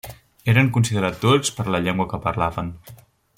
Eren considerats turcs per la llengua que parlaven.